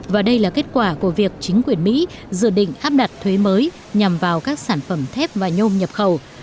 và đây là kết quả của việc chính quyền mỹ dự định áp đặt thuế mới nhằm vào các sản phẩm thép và nhôm nhập khẩu